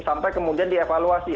sampai kemudian dievaluasi